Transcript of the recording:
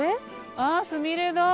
あっすみれだ。